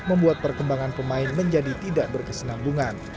membuat perkembangan pemain menjadi tidak berkesenambungan